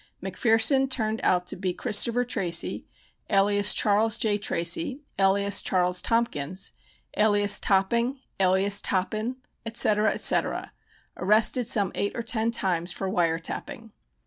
McPherson turned out to be Christopher Tracy, alias Charles J. Tracy, alias Charles Tompkins, alias Topping, alias Toppin, etc., etc., arrested some eight or ten times for "wire tapping."